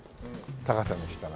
高さにしたらね。